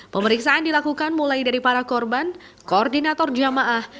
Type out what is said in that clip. pemeriksaan dilakukan mulai dari para korban koordinator jamaah